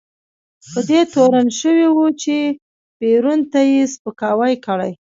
په دې تورن شوی و چې پېرون ته یې سپکاوی کړی.